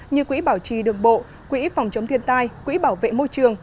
như quỹ bảo trì đường bộ quỹ phòng chống thiên tai quỹ bảo vệ môi trường